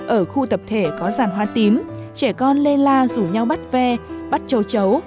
ở khu tập thể có ràn hoa tím trẻ con lê la rủ nhau bắt ve bắt châu chấu